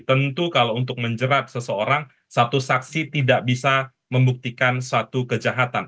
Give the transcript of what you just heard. tentu kalau untuk menjerat seseorang satu saksi tidak bisa membuktikan suatu kejahatan